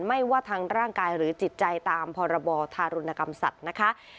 ไม่ว่าทางร่างกายหรือจิตใจตามพรบธารุณกรรมสัตว์นะคะ